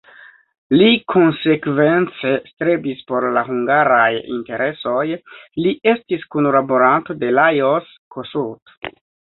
Li konsekvence strebis por la hungaraj interesoj, li estis kunlaboranto de Lajos Kossuth.